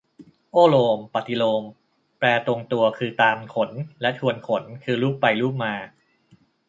โอ้โลม ปฏิโลม แปลตรงตัวคือตามขนและทวนขน คือลูบไปลูบมา